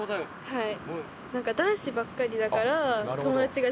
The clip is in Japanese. はい。